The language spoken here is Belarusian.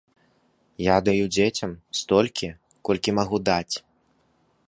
Я даю дзецям столькі, колькі магу даць.